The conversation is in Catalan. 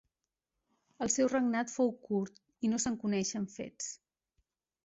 El seu regnat fou curt i no se'n coneixen fets.